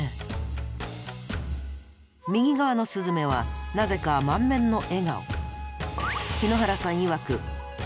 右側のスズメはなぜか満面の笑顔。